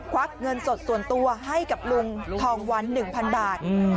ควักเงินสดส่วนตัวให้กับลุงทองวันหนึ่งพันบาทอืม